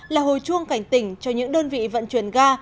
là hồi chuông cảnh tỉnh cho những đơn vị vận chuyển ga